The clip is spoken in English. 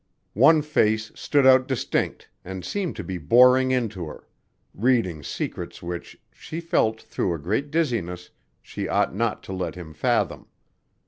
One face stood out distinct and seemed to be boring into her, reading secrets which, she felt through a great dizziness, she ought not to let him fathom.